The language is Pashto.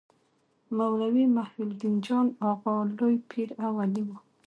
مولوي محي الدین جان اغا لوی پير او ولي و.